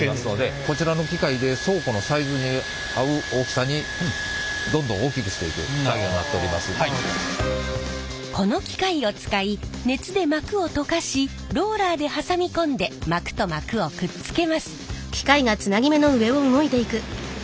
こちらの機械でこの機械を使い熱で膜を溶かしローラーで挟み込んで膜と膜をくっつけます。